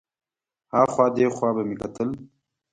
ها خوا دې خوا به مې کتل.